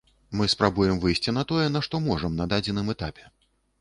Мы спрабуем выйсці на тое, на што можам на дадзеным этапе.